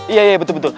iya iya betul betul